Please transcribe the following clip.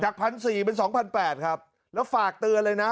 พันสี่เป็นสองพันแปดครับแล้วฝากเตือนเลยนะ